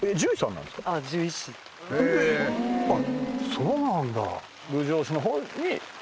そうなんだ。